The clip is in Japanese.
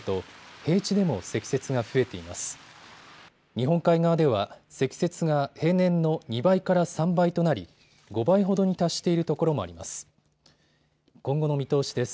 日本海側では積雪が平年の２倍から３倍となり５倍ほどに達しているところもあります。